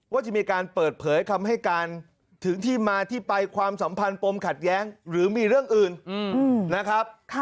ว่าจะมีการเปิดเผยคำให้การถึงที่มาที่ไปความสัมพันธ์ปมขัดแย้งหรือมีเรื่องอื่นนะครับ